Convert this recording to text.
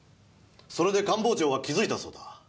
それで官房長は気づいたそうだ。